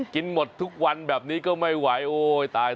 กินหมดทุกวันแบบนี้ก็ไม่ไหวโอ้ยตาย